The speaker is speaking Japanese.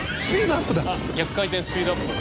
逆回転スピードアップだ。